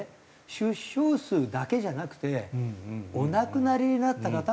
出生数だけじゃなくてお亡くなりになった方も多かった。